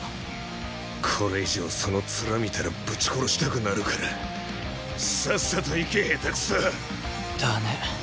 これ以上その面見たらぶち殺したくなるからさっさと行けヘタクソ！だね。